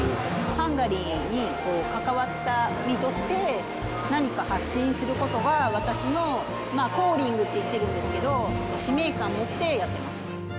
ハンガリーに関わった身として、何か発信することが、私のコーリングって言ってるんですけど、使命感持ってやってます。